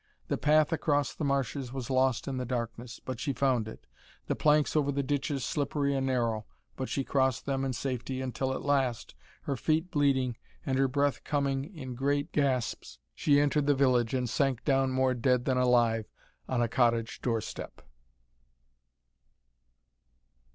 The path across the marshes was lost in the darkness, but she found it; the planks over the ditches slippery and narrow, but she crossed them in safety, until at last, her feet bleeding and her breath coming in great gasps, she entered the village and sank down more dead than alive on a cottage doorstep.